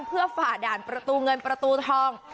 เพื่อฝ่าด่านประตูเงินประตูทอง